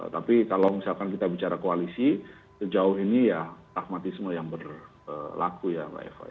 tapi kalau misalkan kita bicara koalisi sejauh ini ya pragmatisme yang berlaku ya mbak eva